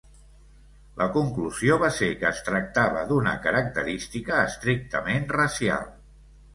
La conclusió va ser que es tractava d'una característica estrictament racial.